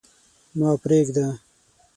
ما پرېږده.